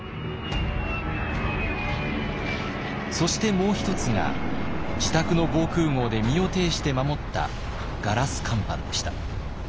そしてもう一つが自宅の防空壕で身をていして守ったガラス乾板でした。